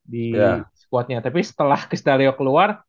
di squadnya tapi setelah chris dalleo keluar